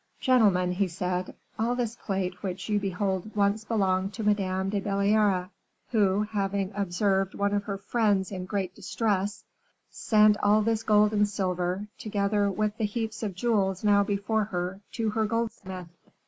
"Gentlemen," he said, "all this plate which you behold once belonged to Madame de Belliere, who, having observed one of her friends in great distress, sent all this gold and silver, together with the heap of jewels now before her, to her goldsmith.